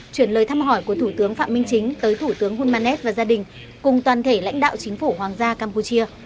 chuyển lời thăm hỏi của thủ tướng phạm minh chính tới thủ tướng hulmanet và gia đình cùng toàn thể lãnh đạo chính phủ hoàng gia campuchia